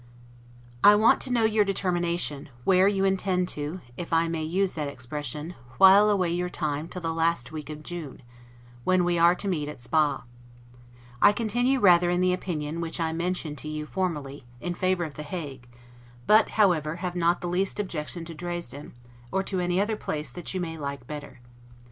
I want to know your determination, where you intend to (if I may use that expression) WHILE away your time till the last week in June, when we are to meet at Spa; I continue rather in the opinion which I mentioned to you formerly, in favor of The Hague; but however, I have not the least objection to Dresden, or to any other place that you may like better.